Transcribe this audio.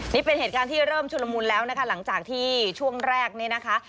นี่เป็นเหตุการณ์ที่เริ่มชุลมุนแล้วนะคะหลังจากที่ช่วงแรกนี่นะคะ